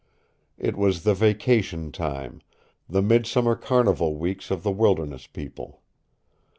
It was the vacation time the midsummer carnival weeks of the wilderness people.